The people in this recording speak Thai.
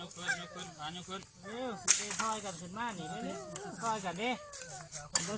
สวัสดีครับ